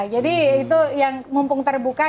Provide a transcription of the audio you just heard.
jadi itu yang mumpung terbuka